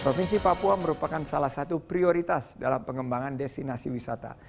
provinsi papua merupakan salah satu prioritas dalam pengembangan destinasi wisata